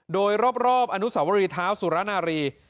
โดยรอบอนุสาวรีเท้าสุรนารี